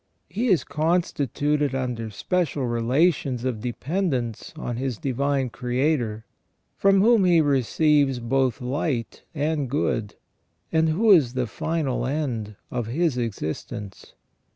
He is constituted under special relations of dependence on his Divine Creator, from whom he receives both light and good, and who is the final end of his existence.